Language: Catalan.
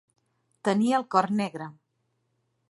Tenir el cor negre.